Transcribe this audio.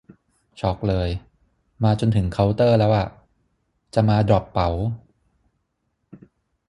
ช็อกเลย มาจนถึงเคาน์เตอร์แล้วอะ จะมาดรอปเป๋า